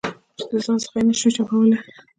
چې د ځان څخه یې نه شې چپولای.